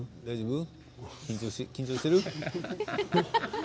緊張してる？